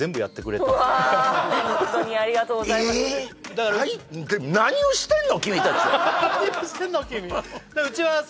だから何をしてんの？